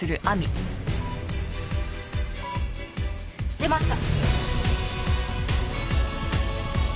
出ました。